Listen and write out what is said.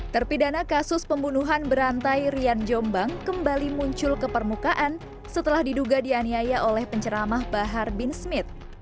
terpidana kasus pembunuhan berantai rian jombang kembali muncul ke permukaan setelah diduga dianiaya oleh penceramah bahar bin smith